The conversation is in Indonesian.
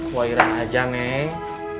kuairan aja neng